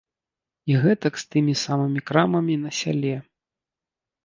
І гэтак з тымі самымі крамамі на сяле.